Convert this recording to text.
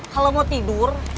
kalau mau tidur